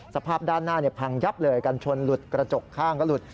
สภาพด้านหน้าพังยับเลยกันชนหลุดกระจกข้างก็หลุด